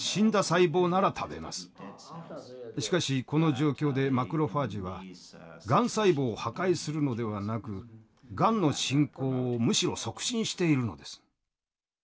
しかしこの状況でマクロファージはがん細胞を破壊するのではなくがんの進行をむしろ促進しているのです。